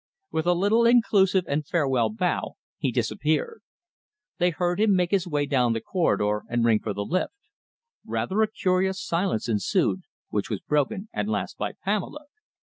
With a little inclusive and farewell bow he disappeared. They heard him make his way down the corridor and ring for the lift. Rather a curious silence ensued, which was broken at last by Pamela.